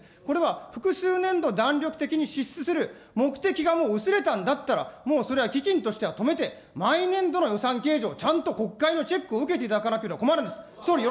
これは複数年度弾力的に支出するもう目的が薄れたんだったらもうそれは基金としては止めて、毎年度の予算計上をちゃんと国会のチェックを受けていただかなければ困るんです。